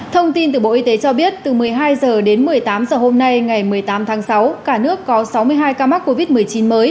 thông tin từ bộ y tế cho biết từ một mươi hai h đến một mươi tám h hôm nay ngày một mươi tám tháng sáu cả nước có sáu mươi hai ca mắc covid một mươi chín mới